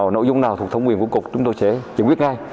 nội dung nào thuộc thổng quyền của cục chúng tôi sẽ giải quyết ngay